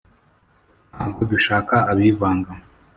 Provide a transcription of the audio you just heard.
ntago dushaka abivanga